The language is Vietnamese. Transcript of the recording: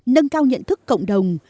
nâng cao nhận thức cộng đồng